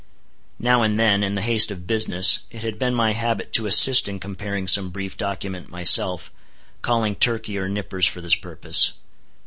Now and then, in the haste of business, it had been my habit to assist in comparing some brief document myself, calling Turkey or Nippers for this purpose.